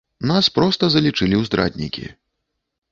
Нас проста залічылі ў здраднікі.